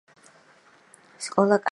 სკოლა კარგია